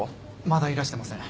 まだいらしてません。